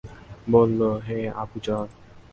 বলল, হে আবু যর!